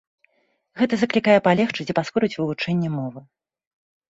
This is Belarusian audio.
Гэта заклікае палегчыць і паскорыць вывучэнне мовы.